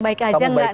baik aja gak